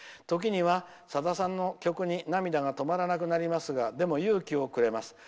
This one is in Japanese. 時には、さださんの曲に涙が止まらなくなりますがでも勇気をくれます。